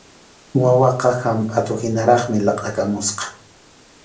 Wawaqa hampʼatuhinaraqmi laqʼakamusqa.